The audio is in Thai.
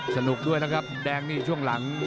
สนุกด้วยนะครับแดงนี่ช่วงหลัง